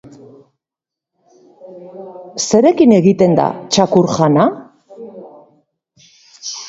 Zerekin egiten da txakur-jana?